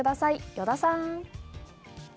依田さん。